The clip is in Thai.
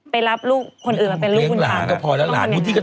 ไปรับลูกคนอื่นมาเป็นลูก